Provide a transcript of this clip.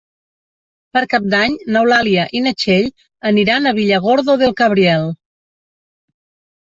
Per Cap d'Any n'Eulàlia i na Txell aniran a Villargordo del Cabriel.